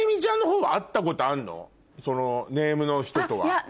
ネームの人とは。